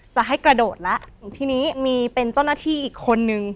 จะให้กระโดดแล้วทีนี้มีเป็นเจ้าหน้าที่อีกคนนึง